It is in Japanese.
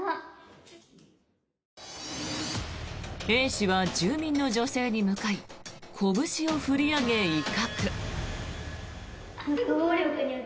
Ａ氏は住民の女性に向かいこぶしを振り上げ、威嚇。